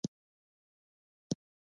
هغه د ستنېدلو فیصله وکړه.